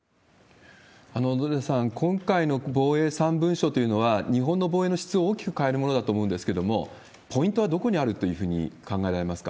小野寺さん、今回の防衛３文書というのは、日本の防衛の質を大きく変えるものだと思うんですけれども、ポイントはどこにあるというふうに考え